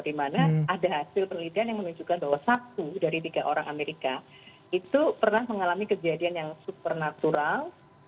dan ada hasil pendidikan yang menunjukkan bahwa satu dari tiga orang amerika itu pernah mengalami kejadian yang supernatural